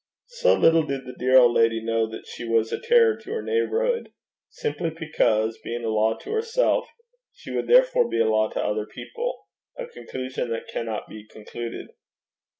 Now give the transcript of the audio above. So little did the dear old lady know that she was a terror to her neighbourhood! simply because, being a law to herself, she would therefore be a law to other people, a conclusion that cannot be concluded.